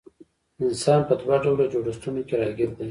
انسان په دوه ډوله جوړښتونو کي راګېر دی